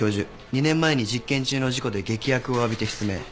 ２年前に実験中の事故で劇薬を浴びて失明。